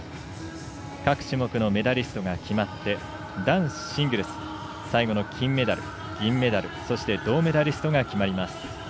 各種目のメダリストが決まって男子シングルス、最後の金メダル銀メダル、そして銅メダリストが決まります。